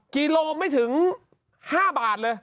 กิโลไม่ถึง๕บาทเลย